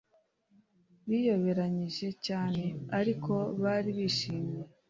biyoberanyije cyane ariko bari bishimye